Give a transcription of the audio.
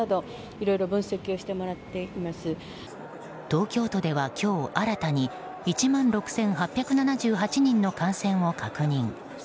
東京都では今日新たに１万６８７８人の感染を確認。